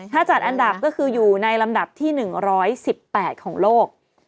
ถ้าจัดอันดับก็คืออยู่ในลำดับที่๑๑๘ของโลก